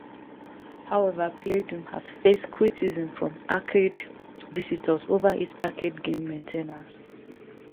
However, Playdium has faced criticism from arcade visitors over its arcade game maintenance.